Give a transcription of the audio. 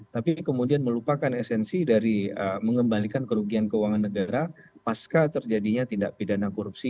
tapi kemudian melupakan esensi dari mengembalikan kerugian keuangan negara pasca terjadinya tindak pidana korupsi